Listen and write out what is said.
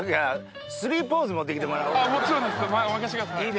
もちろんです任してください。